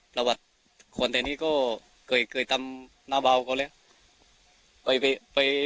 ตลอดผมว่าทางนี้ตามนาบาลก่อนรัก